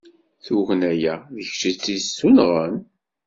Tugna-a d kečč i tt-yessunɣen?